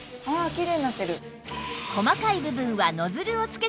きれいになってる。